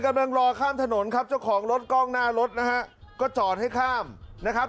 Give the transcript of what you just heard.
กำลังรอข้ามถนนครับเจ้าของรถกล้องหน้ารถนะฮะก็จอดให้ข้ามนะครับ